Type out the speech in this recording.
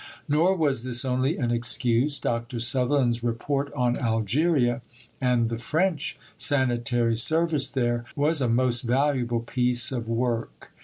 Nor was this only an excuse; Dr. Sutherland's Report on Algeria, and the French sanitary service there, was a most valuable piece of work.